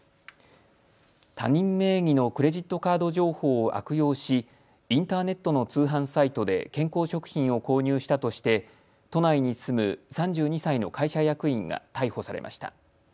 他人名義のクレジットカード情報を悪用しインターネットの通販サイトで健康食品を購入したとして都内に住む３２歳の会社役員が逮捕されました。